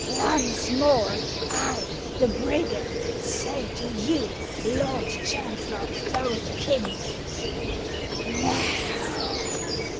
" Once more, I, the brigand, say to you, Lord Chancellor of both kingdoms, No !